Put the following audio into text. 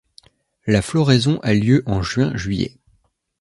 La floraison a lieu en juin-juillet.